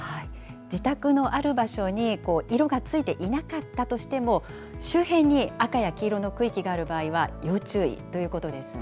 自宅のある場所に、色がついていなかったとしても、周辺に赤や黄色の区域がある場合は要注意ということですね。